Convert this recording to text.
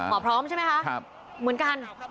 หมอพร้อมใช่ไหมคะเหมือนกัน